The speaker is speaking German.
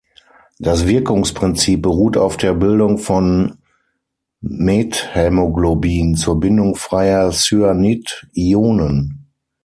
Das Wirkungsprinzip beruht auf der Bildung von Methämoglobin zur Bindung freier Cyanid-Ionen.